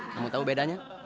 kamu tau bedanya